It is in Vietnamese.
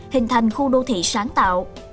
hình thành khu đô thị sáng tạo